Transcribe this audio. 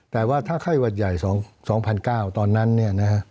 แต่ว่าถ้าไข้วัดใหญ่๒๐๐๙ตอนนั้น